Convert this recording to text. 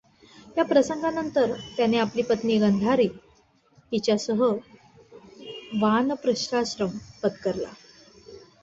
या प्रसंगानंतर त्याने आपली पत्नी गांधारी हिच्यासह वानप्रस्थाश्रम पत्करला.